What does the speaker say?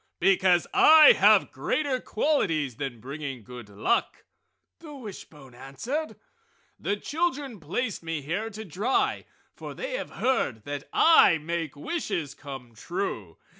"Because I have greater qualities than bringing good luck!" the wishbone answered. "The children placed me here to dry, for they have heard that I make wishes come true!